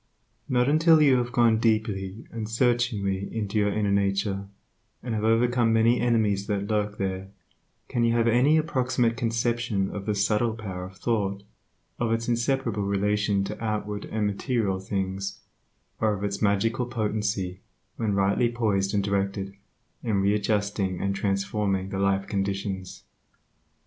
Not until you have gone deeply and searchingly into your inner nature, and have overcome many enemies that lurk there, can you have any approximate conception of the subtle power of thought, of its inseparable relation to outward and material things, or of its magical potency, when rightly poised and directed, in readjusting and transforming the life conditions.